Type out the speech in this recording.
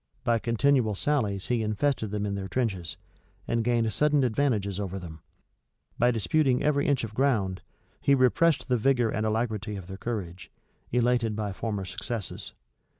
By continual sallies he infested them in their trenches, and gained sudden advantages over them: by disputing every inch of ground, he repressed the vigor and alacrity of their courage, elated by former successes.